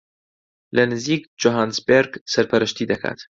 لە نزیک جۆهانسبێرگ سەرپەرشتی دەکات